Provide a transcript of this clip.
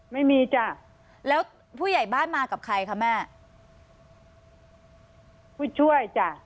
ไม่มีจ้ะแล้วผู้ใหญ่บ้านมากับใครคะแม่ผู้ช่วยจ้ะ